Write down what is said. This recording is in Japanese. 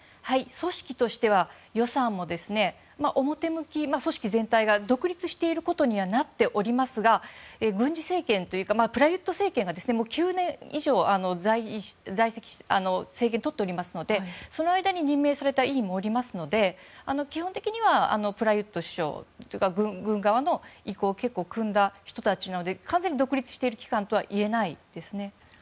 組織としては、予算も表向き組織全体が独立していることにはなっておりますが軍事政権というかプラユット政権が９年以上政権をとっておりますのでその間に任命された委員もおりますので基本的にはプラユット首相というか軍側の意向を結構くんだ人たちなので完全に独立している機関とは言えないですね。